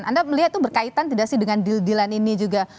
anda melihat itu berkaitan tidak sih dengan deal deal ini juga